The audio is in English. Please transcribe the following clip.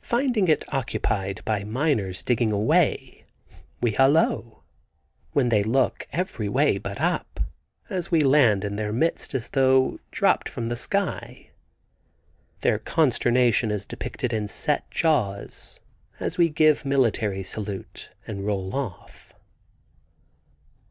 Finding it occupied by miners digging away, we hallo, when they look every way but up, as we land in their midst as though dropped from the sky. Their consternation is depicted in set jaws, as we give military salute and roll off.